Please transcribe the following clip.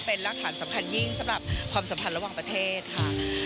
เป็นรักฐานสำคัญยิ่งสำหรับความสัมพันธ์ระหว่างประเทศค่ะ